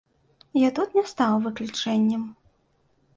Я тут не стаў выключэннем.